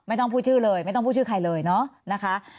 ไม่ต้องพูดชื่อเลยไม่ต้องพูดชื่อใครเลยเนาะนะคะ